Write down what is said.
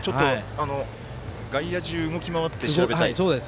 ちょっと外野中動き回って調べたい。